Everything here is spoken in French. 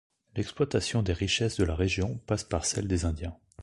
L'exploitation des richesses de la région passe par celle des Indiens.